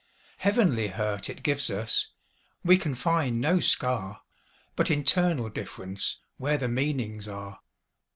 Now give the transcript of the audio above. Heavenly hurt it gives us; We can find no scar, But internal differenceWhere the meanings are.